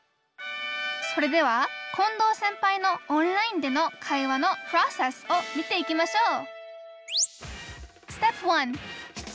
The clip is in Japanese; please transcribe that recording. それでは近藤先輩のオンラインでの会話のプロセスを見ていきましょう